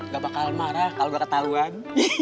gak bakal marah kalau gak ketahuan